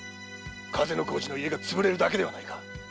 風小路の家が潰れるだけではないか。